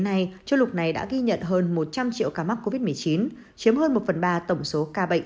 hôm nay châu lục này đã ghi nhận hơn một trăm linh triệu ca mắc covid một mươi chín chiếm hơn một phần ba tổng số ca bệnh